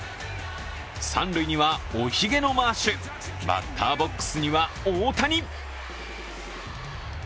三塁には、おひげのマーシュ、バッターボックスには大谷。